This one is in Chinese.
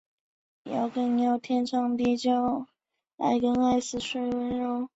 近代化学厂最初通过向宗家橡胶厂制作自行车内胎的气门芯而获取收入。